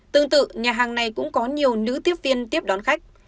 tương tự nhà hàng này cũng có nhiều nữ tiếp viên tiếp đón khách